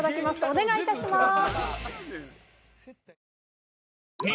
お願いいたします。